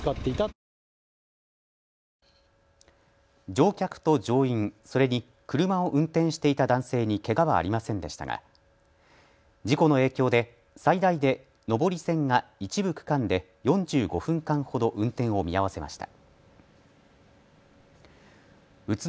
乗客と乗員、それに車を運転していた男性にけがはありませんでしたが事故の影響で最大で上り線が一部区間で４５分間ほど運転を見合わせました。